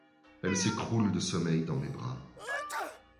Elle s’écroule de sommeil dans mes bras.